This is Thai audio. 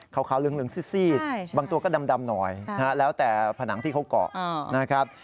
ขาวเหลืองซีดบางตัวก็ดำหน่อยนะฮะแล้วแต่ผนังที่เขาเกาะนะครับ